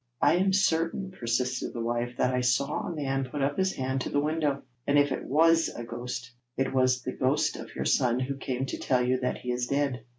'I am certain,' persisted the wife, 'that I saw a man put up his hand to the window, and if it was a ghost, it was the ghost of your son, who came to tell you that he is dead.'